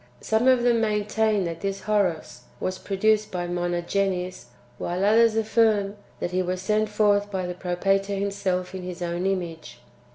Some of them main tain that this Horos was produced by Monogenes, while others affirm that he was sent forth by the Propator him self in His own image.